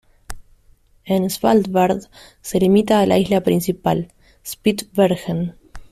En Svalbard se limita a la isla principal, Spitsbergen.